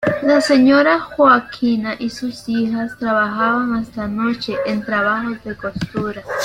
La señora Joaquina y sus hijas, trabajaban hasta noche en trabajos de costura.